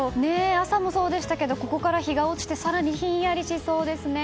朝もそうでしたけどここから日が落ちて更にひんやりしそうですね。